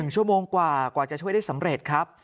ชั่วโมงกว่ากว่าจะช่วยได้สำเร็จครับ